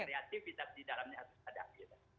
kreatif di dalamnya harus adaptif